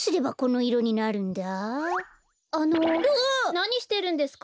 なにしてるんですか？